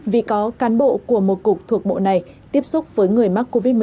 vì có cán bộ của một cục thuộc bộ này tiếp xúc với người mắc covid một mươi chín